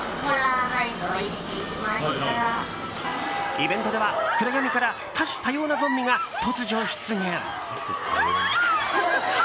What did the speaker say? イベントでは暗闇から多種多様なゾンビが突如出現！